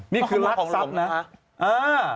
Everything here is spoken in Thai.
นี่คือรักทรัพย์นะ